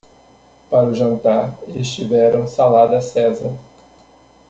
Para o jantar, eles tiveram salada Cesar.